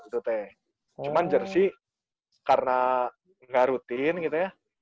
cuman jersey karena gak rutin gitu ya